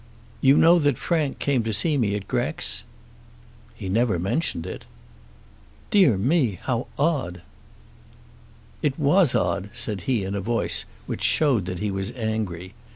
"You know that Frank came to see me at Grex?" "He never mentioned it." "Dear me; how odd!" "It was odd," said he in a voice which showed that he was angry.